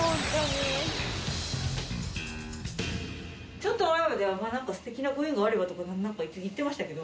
ちょっと前まではなんか「素敵なご縁があれば」とか言ってましたけど。